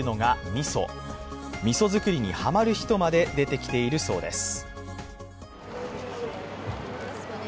みそ作りにハマる人まで出てきているそうです。